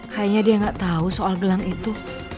kayaknya dia gak tau soal gelang itu